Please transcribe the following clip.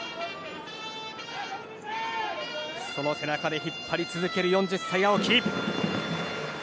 その背中で引っ張り続ける４０歳、青木。